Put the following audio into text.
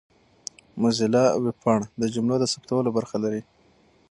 موزیلا ویبپاڼه د جملو د ثبتولو برخه لري.